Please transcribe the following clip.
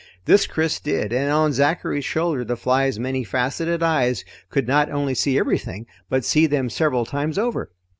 This Chris did, and on Zachary's shoulder the fly's many faceted eyes could not only see everything, but see them several times over.